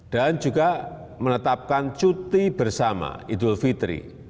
dan juga menetapkan cuti bersama ido fitri